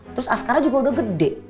terus as karah juga udah gede